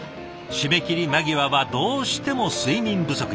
締め切り間際はどうしても睡眠不足に。